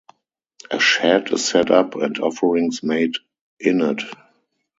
A shed is set up and offerings made in it.